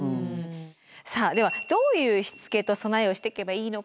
さあではどういうしつけと備えをしていけばいいのか